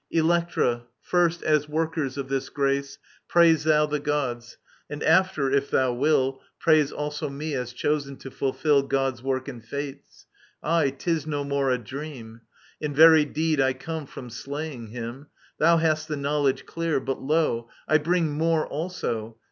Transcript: Electra, first as workers of this grace Praise thou the Gods, and after, if thou will. Praise also me, as chosen to fulfil God's work and Fate's. — Aye, 'tis no more a dream; In very deed I come from slaying him. Thou hast the knowledge clear, but lo, I bring More also.